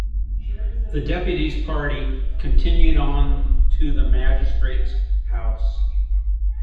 The deputy's party continued on to the magistrate's house.